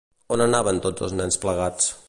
On anaven tots els nens plegats?